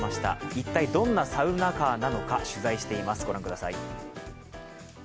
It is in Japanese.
一体どんなサウナカーなのか取材しています、ご覧ください。